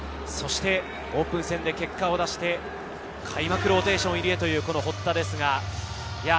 そしてオープン戦で結果を出して開幕ローテーション入りへという堀田です。